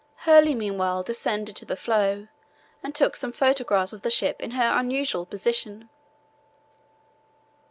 Hurley meanwhile descended to the floe and took some photographs of the ship in her unusual position.